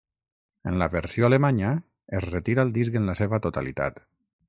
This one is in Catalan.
En la versió alemanya, es retira el disc en la seva totalitat.